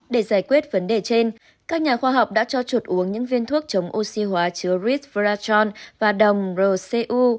để giải quyết vấn đề trên các nhà khoa học đã cho chuột uống những viên thuốc chống oxy hóa chứa ritveratron và đồng roseu